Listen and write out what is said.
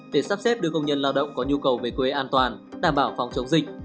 để sắp xếp đưa công nhân lao động có nhu cầu về quê an toàn đảm bảo phòng chống dịch